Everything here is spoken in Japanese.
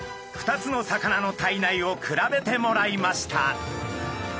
２つの魚の体内を比べてもらいました。